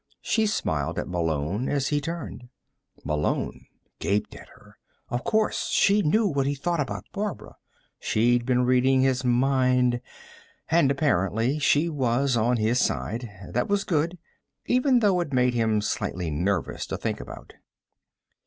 She smiled at Malone as he turned. Malone gaped at her. Of course she knew what he thought about Barbara; she'd been reading his mind. And, apparently, she was on his side. That was good, even though it made him slightly nervous to think about.